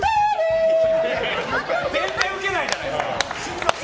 全然ウケないじゃないですか。